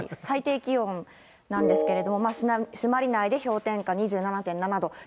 最低気温なんですけれども、朱鞠内で氷点下２７．７度。